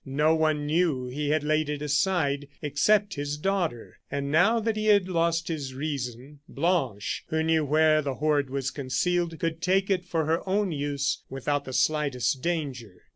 No one knew he had laid it aside, except his daughter; and now that he had lost his reason, Blanche, who knew where the hoard was concealed, could take it for her own use without the slightest danger.